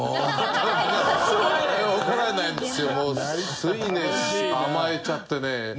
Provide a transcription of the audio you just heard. ついね甘えちゃってね。